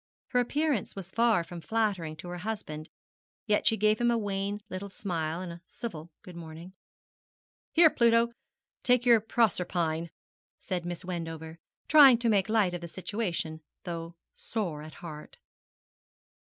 Her appearance was far from flattering to her husband, yet she gave him a wan little smile and a civil good morning. 'Here, Pluto, take your Proserpine,' said Miss Wendover, trying to make light of the situation, though sore at heart.